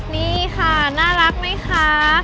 นี่ค่ะน่ารักไหมครับ